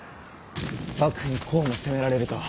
幕府にこうも攻められるとは。